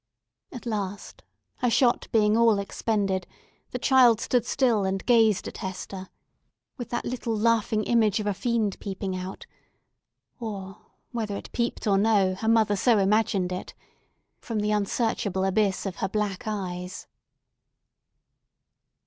At last, her shot being all expended, the child stood still and gazed at Hester, with that little laughing image of a fiend peeping out—or, whether it peeped or no, her mother so imagined it—from the unsearchable abyss of her black eyes.